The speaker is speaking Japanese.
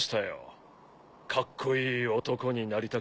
カッコイイ男になりたくてね。